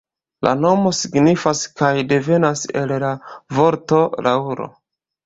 La nomo signifas kaj devenas el la vorto laŭro.